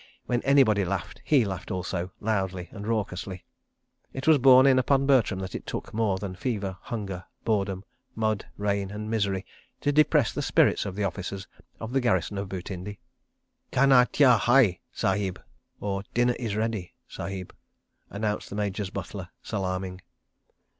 When anybody laughed he laughed also, loudly and raucously. It was borne in upon Bertram that it took more than fever, hunger, boredom, mud, rain and misery to depress the spirits of the officers of the garrison of Butindi. ... "Khana tyar hai, {168a} Sahib," announced the Major's butler, salaaming.